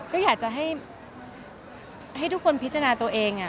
ก็อยากจะให้ทุกคนพิจารณาตัวเอง